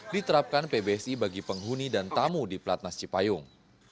diterapkan pbsi bagi penghuni dan tamu di platnas cipayung